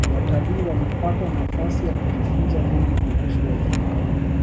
watalii wanapata nafasi ya kujifunza mengi kuhusu wanyama hao